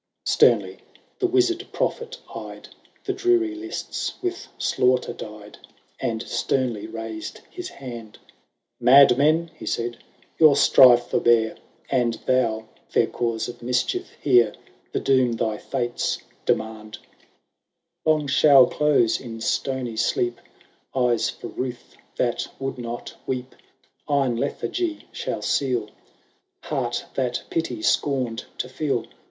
XXVI. *« Sternly the Wizard Prophet eyed The dreary lists with slaughter dyed, And sternly raised his hand :—' Madmen,* he said, * your strife forbear ! And thou, fair cause of mischief, hear The doom thy fates demand ! 7Pi""H*aiiv Canto IT, TH« liEIDAL OF TRIERM AZN. (3 Long shall close in stonj sleep Eyes for ruth that would not weep ; Iron lethaigy shall seal Heart that pity scorned to feel.